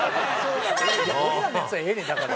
俺らのやつはええねんだから。